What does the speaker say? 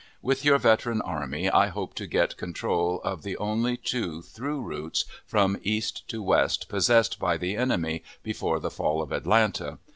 With your veteran army I hope to get control of the only two through routes from east to west possessed by the enemy before the fall of Atlanta.